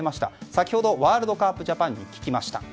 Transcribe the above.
先ほどワールドカープ・ジャパンに聞きました。